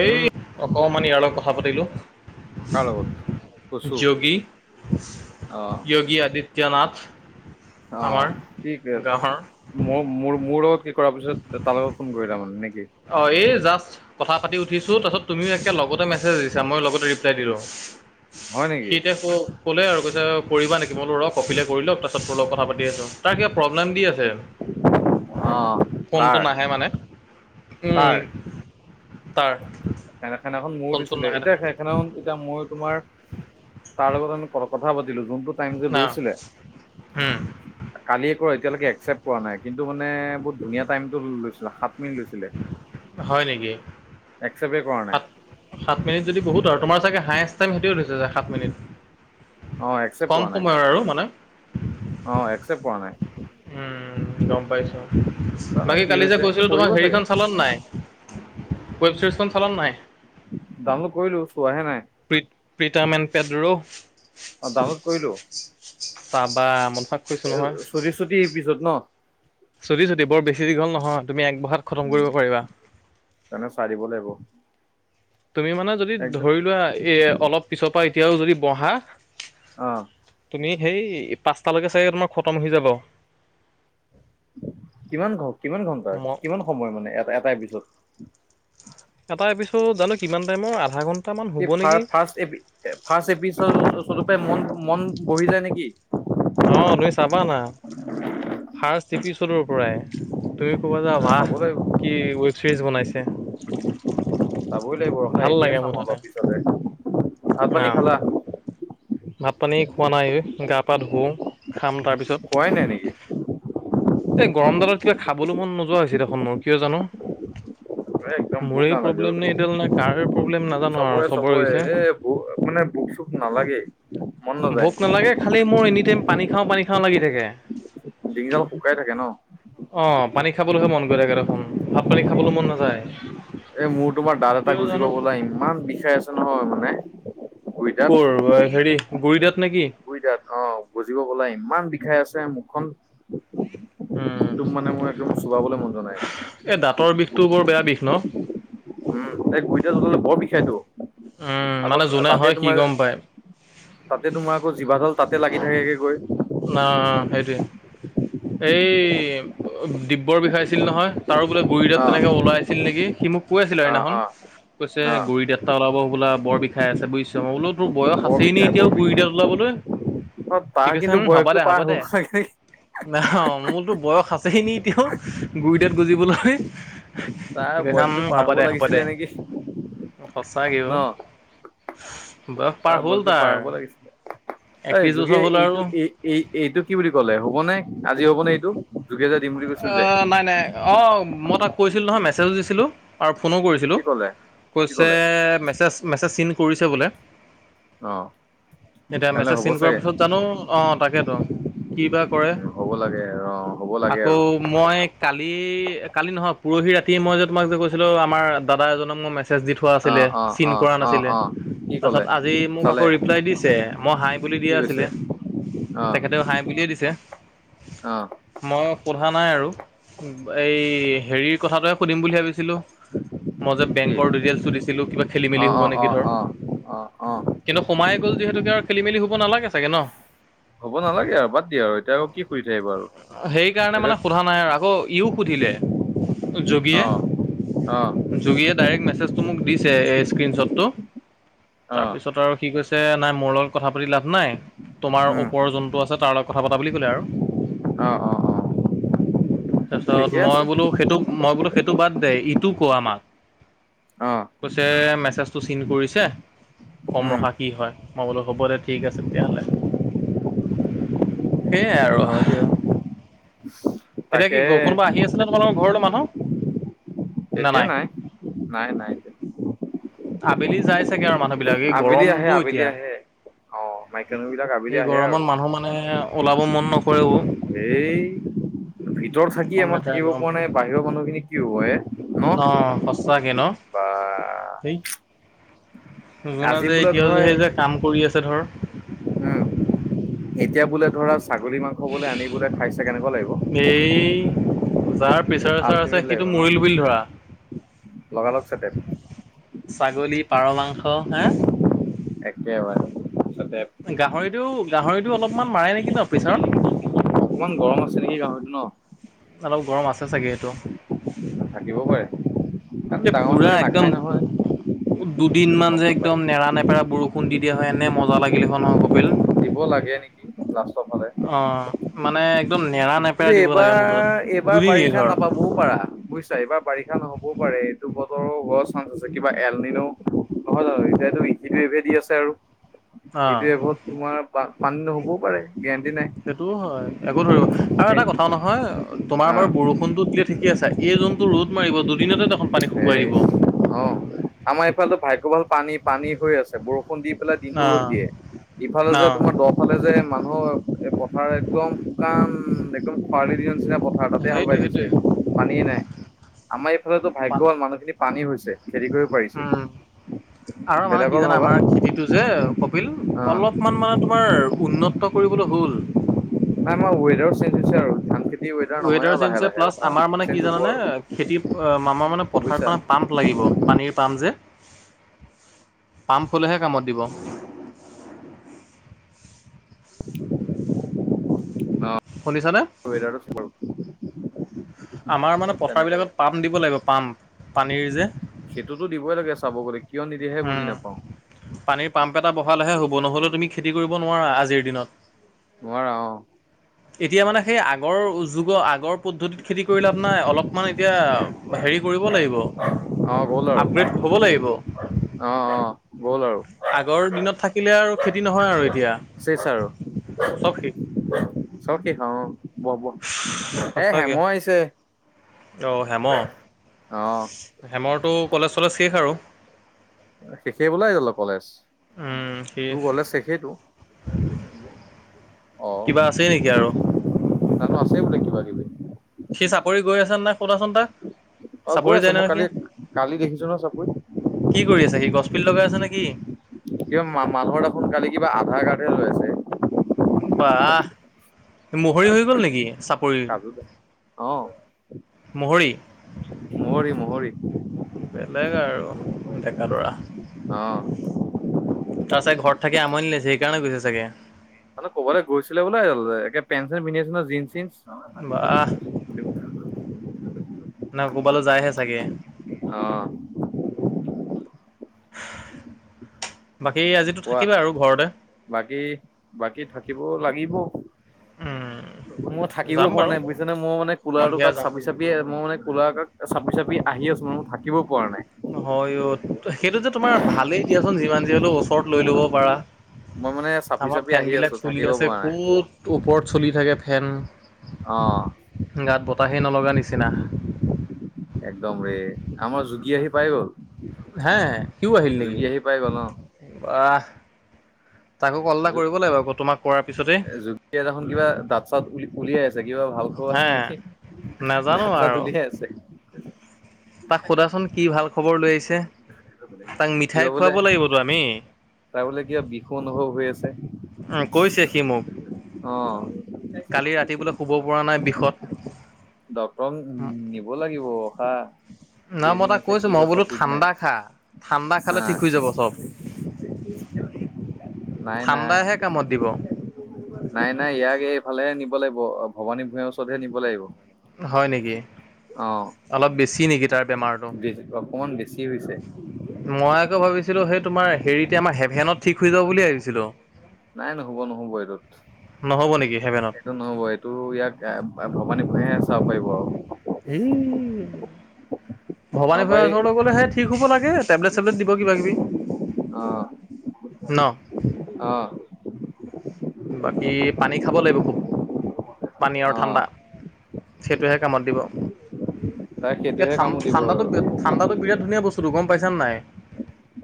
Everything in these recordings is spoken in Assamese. এই উম, অকমান ইয়াৰ লগত কথা পাতিলো। কাৰ লগত? কচু। যোগী অ, যোগী আদিত্য ত্যনাথ। অ, কিঠিকে ম মোৰ লগত কৰাৰ পিছত তালগত ফোন কৰিলা মানে নেকি। অ, এই যা কথা পাতি উঠিছো তাৰপাছত তুমিও একে লগতে মেছেজ দিছা মই লগতে ৰিপ্লাই দিলওঁ। হয় সি নেকি? এতিয়া ক'লে আৰু কৈছে কৰিবা নেকি। মই বোলোঁ ৰ কপিলে কৰি লওক তাৰ পা' তোৰ লগ কথা পাতি আছোঁ, তাৰ কিবা প্ৰব্লেম দি আছে অ, ফোনটো তাৰ নাহে মানে উম তাৰ তাৰ সেনা খেনাখন মোৰ ফোন চোন দিছিলে, নাহে এতিয়া দেখোন সেখেনাখন এতিয়া মই তোমাৰ তাৰ লগত আমি ক [unintelligible] যে না লৈছিলে উম কালি এতিয়ালৈকে একচেপ্ট কৰা নাই কিন্তু মানে বহুত ধুনীয়া টাইমটো লৈছিলে সাত মিল লৈছিলে হয় নেকি এক সাত, সাত মিনিট যদি বহুত আৰু তোমাৰ চাগে হাইছ টাইম সেইটোৱে থৈছে যে সাত মিনিট, অ, একচেপ্ট ক'ম কৰা নাই সময়ৰ আৰু মানে। অ এসপট কৰা নাই। উম, গ'ম পাইছো, জানো বাকী কি কালি যে হৈছে কৈছিলো কৰিব তোমাক চাগে হেৰিখন চালা নে নাই? ৱেব চিৰিজখন চলান নাই? ডাউনলোড কৰিলো চোৱাহে নাই [unintelligible] অ ডাউনলোড কৰিলো [unintelligible] এ [unintelligible] পিছত ন? ছুটি চুট বৰ বেছি দীঘল নহয় তুমি এক বহাত খতম উম। কৰিব পাৰিবা। তেনে চাই দিব লাগিব তুমি মানে যদি একদম। ধৰি লোৱা এ অলপ পিছৰ পৰা এতিয়াও যদি বহা। আহ' তুমি সেই পাঁচটালৈকে চাগে তোমাৰ খতম হৈ যাবা। কিমান ঘ, কিমান ঘন্টাৰ, ম কিমান সময় মানে এটা, এটা এপিছদ এটা এপিছড জানো কিমান টাইমৰ, আধা ঘণ্টা [unintelligible] মন বহি যায় নেকি? অ' তুমি চাবা না, ৰ্ফাষ্ট এপিচডৰ পৰাই তুমি কবা যে চাব ৱাহ! লাগিব কি ৱেব ছিৰিজ বনাইছে। চাবই লাগিব ৰখা, ভাল এতিয়াই লাগে চাম মুঠতে অলপ পিছতে। ভাত না পানী খালা ভাত পানী খোৱা নাই এ, গা পা ধুওঁ খাম তাৰপিছত খোৱাই নাই নেকি এই গৰমডালত কিবা খাবলৈ মন নোযোৱা হৈছে দেখোন মোৰ কিয় জানো? একদম ভোক মোৰেই নালাগে ও, প্ৰব্লেম নে এইডাল নে কাৰ প্ৰব্লেম নাজানো আৰু চবৰে চবৰে হৈছে এ ভোক মানে ভোক-চুখ নালাগে ভোক নালাগে খালি মোৰ এনি টাইম পানী খাওঁ পানী খাওঁ লাগি থাকে। ডিঙিডাল শুকাই থাকে ন? অঁ পানী খাবলৈহে মন গৈ থাকে দেখোন, ভাত পানী খাবলৈ মন নাযায়। এ মোৰ তোমাৰ দাঁত এটা কিয় গুজিব জানো হ'বলা ইমান বিষাই আছে নহয় মানে। গুৰি দাঁত ক'ৰ হেৰি গুৰি দাঁত নে কি? গুৰি দাত অ গজিব হ'বলা ইমান বিষাই আছে মুখখন উম তোক মানে মোৰ একদম চোবাবলৈ মন যোৱা নাই। এই দাঁতৰ বিষতো বৰ বেয়া বিষ ন? উম গুৰি দাঁত ওলালে বৰ বিষায়তো। উম আগত মানে যোনে তাতে হয় সি তোমাৰ গম পায় তাতে তোমাৰ আকৌ জিভা ডাল তাতে লাগি থাকে গে গৈ। না' সেইটোৱে এই দিব্যৰ বিষাইছিল নহয় তাৰো বোলে গুৰি অ দাঁত তেনেকৈ ওলাই আছিল নেকি? সি মোক কৈ আছিলে অ সেইদিনাখন অ কৈছে অ গুৰি দাঁত এটা ওলাব বোলা বৰ বিষাই আছে বুইছ, মই বোলো তোৰ বয়স বৰ আছেইনে বিষাই এতিয়াও বৰ বিষাই গুৰি দাঁত ওলাবলৈ। অ তাৰ কি হম হ'ব দে হ'ব দে, না মোৰতো বয়স আছেইনে এতিয়াও গুৰি দাঁত গজিবলৈ? তাৰ কি বয়সটো কৈছামম পাৰ হ'ব দে হ'ব দে লাগিছিলে নেকি সঁচাকেই। ন বয়স তাৰ পাৰ হ'ল বয়সটো পাৰ তাৰ হ'ব লাগিছিলে এই একত্ৰিশ যোগে বছৰ হ'ল এইটো আৰু এই এই এইটো কি বুলি কলে হবনে? আজি হ'বনে এইটো। যোগে যে দিম বুলি কৈছিল অ, যে নাই নাই অ, মই তাক কৈছিলো নহয় মেছেজ দিছিলোঁ আৰু ফোনো কৰিছিলোঁ কি ক'লে কি কৈছে ক'লে মেছেজ মেছেজ চিন কৰিছে বোলে। অ এতিয়া তেনেহ'লে মেছেজ হ'ব চিন কৰাৰ চাগে পিছত জানো অ, তাকেতো কি বা উ হ'ব লাগে অ, হ'ব অ, লাগে। আৰু মই কালি এই কালি নহয় পুৰহি ৰাতি মই যে তোমাক যে কৈছিলো আমাৰ দাদা এজনক মই মেছেজ মেছেজ দি থোৱা অ আছিলে অ চিন অ কৰা অ নাছিলে, অ কি ক'লে তাৰপিছত মোক আকৌ চালে ৰিপ্লাই দিছে। মই হাই হাই বুলি কি দিয়া আছিলে, কৈছে অ তেখেতেও হাই বুলি এ দিছে। অ ম সোধা নাই আৰু এই হেৰিৰ কথাটোৱে সুধিম বুলি ভাবিছোঁ। সুধিলো মই যে কি বেংকৰ ডি-টেইল্‌ছটো দিছিলো কিবা খেলি অ মেলি হ'ব অ অ নেকি ধৰ। অ অ অ কিন্তু সোমাই গ'ল যিহেতুকে আৰু খেলি মেলি হব নালাগে চাগে ন? হ'ব নালাগে আৰু বাদ দিয়া আৰু এতিয়া আকৌ কি কৰি থাকিবা আৰু সেইকাৰণে এতিয়া মানে সোধা নাই আৰু আকৌ ইও সুধিলে যোগিয়ে অ অ জোগীয়ে ডাইৰেক্ট মেছেজতো মোক দিছে এ ষ্ক্ৰীণশ্বটতো, অ তাৰপিছত আৰু সি কৈছে নাই মোৰ লগত কথা লাভ নাই তোমাৰ উম ওপৰৰ যোনটো আছে তাৰ লগত কথা পতা বুলি ক'লে আৰু। অ, অ, অ তাৰপিছত ঠিকে মই আছে বোলো সেইটো মই বোলো সেইটো বাদ দে ইটো কোৱা মাক। অ কৈছে মেছেজটো চিড কৰিছে কম উম ৰখা কি হয় মই বুলো হ'ব দে ঠিক আছে তেতিয়াহ'লে। সেয়াই আৰু। হয় দিয়া এতিয়া কি তাকে কোনোবা আহি আছে ন তোমালোকৰ ঘৰলৈ মানুহ? তেতিয়া নাই নাই নাই এতিয়া। আবেলি যায় চাগে আৰু মানুহ বিলাক এই আবেলি আহে গৰমতটো আবেলি এতিয়া। আহে অ মাইকী মানুহ বিলাক আবেলি এই আহে আৰু গৰমত মানুহ মানে ওলাব মন নকৰে। এই ভিতৰত থাকি কম আমাৰ লেতেৰা থাকিব পৰা নাই বাহিৰৰ মানুহখিনি কি হ'ব এ। ন অহ সস্তাাকে ন বা ধেই। জনা আজি যে বোলে এতিয়াও যে ধৰা সেই যে কাম কৰি আছে ধৰ। উম এতিয়া বোলে ধৰা ছাগলী মাংস বোলে আনিবোলে খাইছে কেনেকুৱা লাগিব? প্ৰেছাৰ চছাৰ আছে আল্টিমেট সেইটো লাগিব ন মৰিল বুলি ধৰা। লগালগ চেটেপ ছাগলী পাৰ মাংস হা। একাকেবাৰ। গাহৰিটো গাহৰিটো অলপমান মাৰে নেকি ন পিছাৰত? অকমান গৰম আছে নেকি গাহৰিটো ন' অলপ গৰম আছে চাগে এইটো। কাৰ এই ডাঙৰ পুৰা মোকে একদম নাখায় নহয়। দুদিনমান গম যে নাপায় একদম নেৰা নেপেৰা বৰষুণ দি দিয়া হয় এনে মজা লাগিলেখন নহয় কপিল। হ'ব লাগে নেকি। লাষ্টৰ ফালে অ, মানে একদম নেৰা কিন্তু নেপেৰা দিব লাগে মুঠতে এইবাৰ এইবাৰ দুদিনেই বাৰিষা ধৰ নাপাবও পাৰা বুজিছা এইবাৰ বাৰিষা নহবও পাৰে। বতৰো হোৱা চান্স আছে কিবা এল নিও নহয় জানো এতিটোভে দি আছে আৰু। সেইটো অ', এবোৰ তোমাৰ মান নহ'বও পাৰে। গেৰেণ্টি নাই সেইটোও হয় একো ধৰিব আৰু থা নহয় তোমাৰ অ বাৰ বৰষুণোত দিলে ঠিকে আছে এইোনটো ৰ মাৰ দুন অ, আমাৰ এইফালো ভাগ্য ভাল পানী পানী হৈ আছে বৰষুণ খুন দি পেলাই দিনতটো ৰ'দ অ', দিয়ে ইফালে যে অ', তোমাৰ দ ফালে যে ম অ পথাৰ একদম কাম একদম খৰালি দিয়া নিচিনা পথাৰত তাতে হাল বাই সেইটোৱে থৈছে সেইটোৱে পানীয়ে নাই, আমাৰ এইফালেটো ভাগ্য পান ভাল মানুহখিনি পানী হৈছে। উম, [unintelligible] আৰু মানে কি বেলেগৰ জানা ভাবা আমাৰ খেতিটো যে কপিল অ অলপমান মানে তোমাৰ উন্নত কৰি লৈ হ'ল। নাই আমাৰ ৱেদাৰো চেঞ্জ হৈছে আৰু ধ ৱেডাৰ চেঞ্জ প্লছ আমাৰ মানে কি হ'ব জানে, আৰু খেতি আমাৰ মানে পথাৰত বুজিছা মানে পাম্প লাগিব। পানীৰ পাম যে। পাম্প হ'লেহে কামত দিব। অ শুনিছানে [unintelligible] আমাৰ মানে পথাৰবিলাকত পাম্প দিব লাগিব পাম্প পানীৰ যে। সেইটোতো দিবই লাগে চাব গ'লে। কিয় নিদিয়েহে বুজি নাপাওঁ উম পানীৰ পাম্প এটা বহালেহে হ'ব, নহ'লেও তুমি খেতি কৰিব নোৱাৰা আজিৰ দিনত। নোৱাৰা অ। এতিয়া মানে সেই আগৰ যুগৰ আগৰ পদ্ধতিত খেতি কৰিলে লাভ নাই। অলপমান এতিয়া হেৰি কৰিব লাগিব। অ গ'ল আৰু আপগ্ৰেড হ'ব লাগিব। অ অ গ'ল আৰু আগৰ দিনত থাক কিলে আৰু খেতি নহয় আৰু। এতিয়া চেচ আৰু চব শেষ। চব শেষ, অ। ব ব এ হেমহ আহিছে। অঁ হেম, অ হেমৰটো কলেজ-চলেজ শেষ আৰু। শেষেই [unintelligible] কলেজ। উম, সি তোৰ কলেজ শেষেইটো। কিবা আছেই নেকি আৰু? [unintelligible] আছেই বোলে কিবা কিবি। সি চাপৰি [unintelligible] অ গৈ চাপৰি আছে যায় মই নহয় সি কালি-কালি দেখিছো ন চব গৈ। কি কৰি আছে? সি গছপিল লগাই আছে নেকি? কিবা মানুহৰ দেখোন কালি কিবা আধাৰ কাৰ্ডহে লৈ আছে। বা মহৰি হৈ গ'ল নেকি চাপৰিৰ? কাজু অ মূহৰি মহৰি মহৰি বেলেগ আৰু ডেকাল'ৰা। অ তাৰ চাগে ঘৰত থাকি আমনি লাগিছে সেইকাৰণে গৈছে চাগে। মানে ক'বলৈ গৈছিলে বোলে, একেট পেন-চেন পিন্ধি আছে ন জিনচ-চিনচ। বাহ। না কৰবালৈ যায়হে চাগে। অ বাকী আজিতো কোৱা থাকিবা আৰু ঘৰতে বাকী, বাকী থাকিব লাগিব। মই থাকিব যাম পৰা বাৰু নাই বুজিছ নে, মই মানে কুলাৰটো সন্ধিয়া কাক যাম চাপি চাপিয় মই মানে কুলাৰৰ কাষ চাপি-চাপি আহি আছো মানে, মই থাকিব পৰা নাই হয় অ, সেইটো যে তোমাৰ ভালেই দিয়াচোন যিমান যি হলেও ওচৰত লৈ ল'ব পাৰা। মই মানে চাপি আমাৰ চাপি ফেন আহি আছো বিলাক চলি থাকিব আছে, পৰা নাই ক'ত ওপৰত চলি থাকে ফেন। অ গাত বতাহেই নলগা নিচিনা। একদম ৰে, আমাৰ জুগি আহি পাই গ'ল। হে সিউ আহিল নেকি? যোগী আহি পাই গ'ল অ বাহ! তাকো কল এটা কৰিব লাগিব আকৌ তোমাক কৰাৰ পিছতেই জো-জুগিয়ে দেখোন কিবা দাঁত-চাত উল উলিয়াই আছে কিবা ভাল খোৱা আছে হে নেকি, নাজানো দাঁত-চাত আৰু উলিয়াই আছে। তাক সোধাচোন কি ভাল খবৰ লৈ আহিছে, তাক কিবা মিঠাই বোলে খুৱাব লাগিবতো আমি। তাৰ বোলে কিবা বিষও অনুভৱ হৈ আছে। উম কৈছে সি মোক, অ কালি ৰাতি বোলে শুব পৰা নাই বিষত। ডক্তৰক উ নিব লাগিব অশাহ নহ মই তাক কৈছো, মই বোলো ঠাণ্ডা খা ঠাণ্ডা খালে হা ঠিক হৈ যাব চ'ব। নাই, নাই। ঠাণ্ডাহে কামত দিব নাই নাই ইয়াক এইফালেহে নিব লাগিব। ভৱানী ভূঞাৰ ওচৰতহে নিব লাগিব। হয় নেকি, অ অলপ বেছি নেকি তাৰ বেমাৰটো। অকমান বেছি হৈছে। হেই সেই তোমাৰ হেৰিতে আমাৰ হেফেনত ঠিক হৈ যাব বুলি ভাবিছিলোঁ। নাই নহ'ব নহ'ব এইটোত। নহ'ব নেকি হেভেনত সেইটো নহ'ব, এইটো ইয়াক ভৱানী ভূঞাহে চাব পাৰিব আৰু। হেই। ভবানী নহবা ভূঞা এই ওৰলৈ গ'লেহে ঠিক হ'ব লাগে টেবলেট চেবলেট দিব কিবা কিবি। অ' ন অ' বাকী পানী খাব লাগিব খুব পানী আৰু অ ঠাণ্ডা। সেইটোহে কামত দিব। তাই ইয়াত সেইটোহে কামো দিব ঠাণ্ডাটো আৰু ঠাণ্ডাটো বিৰাট ধুনীয়া বস্তুটো গ'ম গ'ম পাইছনে নাই।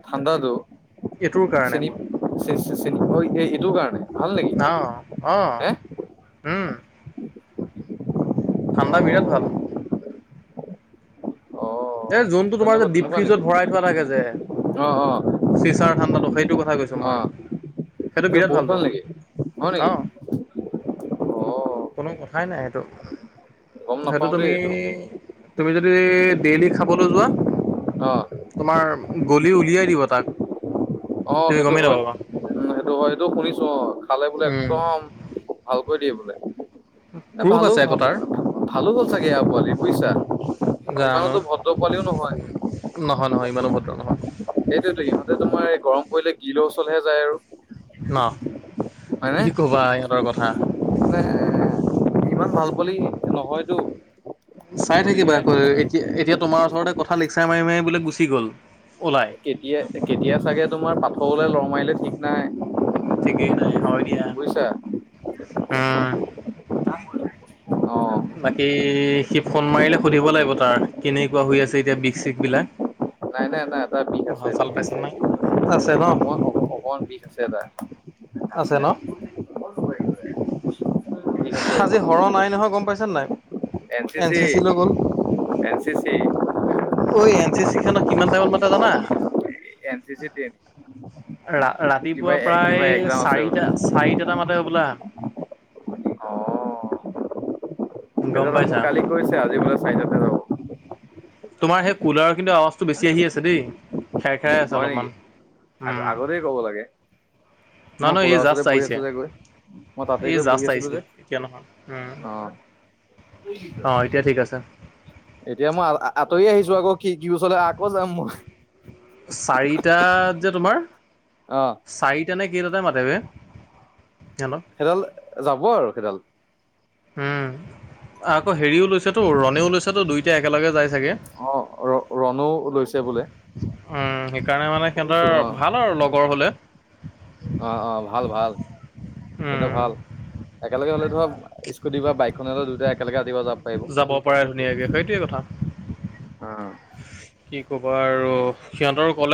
ঠাণ্ডাটো এইটোৰ কাৰণে চেন চে এই এইটো কাৰণে। ভাল নেকি অ' আহ হে উম। অ ঠাণ্ডা বিৰাট ভাল। অ এ জোনটো তোমাৰ যে তেনেকুৱা ডিপ তেনেকুৱা নেকি ফ্ৰিজত ভৰাই থোৱা থাকে যে। অ চিচাৰ ঠাণ্ডাতো সেইটো কথা কৈছো অ অ মই সেইটো এইটো বিৰাট বহুত ভালতো। ভাল নেকি হয় নেকি আহ। অ' কোনো কথাই নাই এইটো গম হেয়টো নাপাও দেই তুমি। এইটো তুমি যদি ডেইলি খাবলৈ যোৱা। অ' তোমাৰ গলি উলিয়াই দিব তাক। অ' তুমি সেইটো গমেই হয়, নাপাবা। উম সেইটো হয় সেইটো শুনিছো অ' খালে বোলে উম একদম। ভালকৈ দিব এই প্ৰুফ ভালো আছে ভ আকৌ তাৰ ভালো হ'ল চাগে এয়া পোৱালি বুইছা। জানো ইমানতো ভদ্ৰ পোৱালিও নহয়। নহয়, নহয়, ইমানো ভদ্ৰ নহয়। সেইটোয়তো ইহঁতে তোমাৰ এই গৰম কৰিলে গিলৰ ওচলহে যায় আৰু। ন হয়নে? কি ক'বা ইহঁতৰ কথা। মানে এ ইমান ভাল পোৱালি নহয়তো। চাই থাকিবা গতিকে আকৌ এতিয়া এতিয়া তোমাৰ ওচৰতে কথা লেকচাৰ মাৰি মাৰি বোলে গুচি গ'ল। ওলাই কেতিয়া কেতিয়া চাগে তোমাৰ পাথৰলৈ লৰ মাৰিলে ঠিক নাই। ঠিকেই নাই হয় দিয়া বুজিছা উম। অ' বাকী সি ফোন মাৰিলে সুধিব লাগিব তাৰ কেনেকুৱা হৈ আছে এতিয়া বিষ চিষ বিলাক। নাই নাই নাই এটা বিষ আছে, ভাল চাল বিষ পাইছে আছে, নাই? আছে ন অকমান বিষ আছে টা। আছে ন বিষ আছে আজি হৰৰ নাই নহয় গ'ম গ'ম পাইছানে এন চি চিছ লৈ গ'ল। এন চি চি ঐ এন চি চিছ খনত কিমান টাইমত মাতে জানা। এন চি চিছ টিন। ৰা ৰাতিপুৱা প্ৰায় চাৰিটা বোলে চাৰিটাটে মাতে হ'বলা। গম সেইজনে পাইছা। কালি কৈছে আজি মই চাৰিটা তাতে যাব। তোমাৰ সেই কুলাৰৰ কিন্তু আৱাজটো বেছি আহি আছে দেই। খেৰ খেৰাই আছে হয় নেকি অলপমান আগ উম। আগতেই ক'ব লাগে মই নহয় নহয় কোলাৰ এই ওচৰতে জাষ্ট বহি আহিছে আছো যে গৈ মই তাতে এই গৈ বহি জাষ্ট আছিলো আহিছে। যে এতিয়া নহয় উম। অ অ', এতিয়া ঠিক আছে। এতিয়া মই আ- আঁতৰি আহিছোঁ আকৌ খিৰিকি ওচৰলে আকৌ যাম মই। চাৰিটাত যে তোমাৰ। অ চাৰিটা নে কে তাতে মাতে বে। সিহঁতক। সেডাল যাব আৰু সেডাল। উম, আকৌ হেৰিও লৈছেতো ৰণেও লৈছেতো দুইটা একেলগে যাই অ', ৰ ৰণও লৈছে বোলে। উম, সেইকাৰণে মানে শুনিছো অ সিহঁতৰ ভাল আৰু লগৰ হ'লে। অ অ ভাল ভাল [unintelligible] উম, ভাল। একেলগে হ'লে ধৰক স্কুটি বা বাইকখন হ'লে দুয়োটাই একেলগে ৰাতিপুৱা যাব যাব পাৰে ধুনীয়াকে সেইটোৱে কথাঁ। পাৰিব কি ক'বা আৰু সিহঁতৰ ক'লে